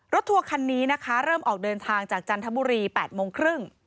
ทัวร์คันนี้นะคะเริ่มออกเดินทางจากจันทบุรี๘โมงครึ่ง